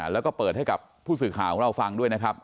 แล้วก็เปิดให้กับผู้สื่อข่าวของเราฟังด้วยนะครับ